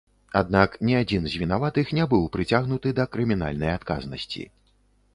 Аднак ні адзін з вінаватых ня быў прыцягнуты да крымінальнай адказнасці.